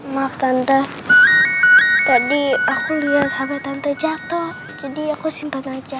maaf tante tadi aku liat habis tante jatoh jadi aku simpan aja